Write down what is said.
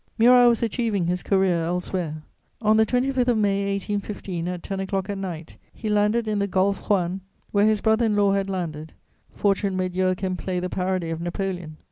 Murat was achieving his career elsewhere. On the 25th of May 1815, at ten o'clock at night, he landed in the Golfe Juan, where his brother in law had landed. Fortune made Joachim play the parody of Napoleon.